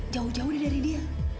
jauh jauh dari dia